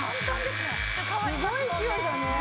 すごい勢いだね。